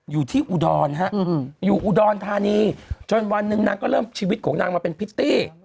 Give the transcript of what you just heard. อยู่ที่อุดรฮะอยู่อุดรธานีจนวันหนึ่งนางก็เริ่มชีวิตของนางมาเป็นพริตตี้